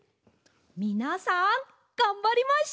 みなさんがんばりましょう！